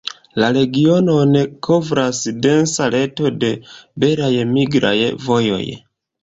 La regionon kovras densa reto de belaj migraj vojoj.